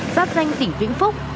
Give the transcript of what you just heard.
giáp danh tỉnh vĩnh phúc